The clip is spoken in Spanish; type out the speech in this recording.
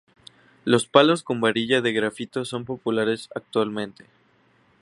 Los palos con varilla de grafito son populares actualmente.